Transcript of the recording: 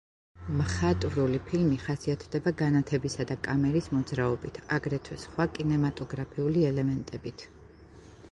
მხატვრული ფილმი ხასიათდება განათებისა და კამერის მოძრაობით, აგრეთვე სხვა კინემატოგრაფიული ელემენტებით.